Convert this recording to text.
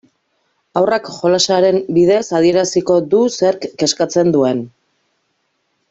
Haurrak jolasaren bidez adieraziko du zerk kezkatzen duen.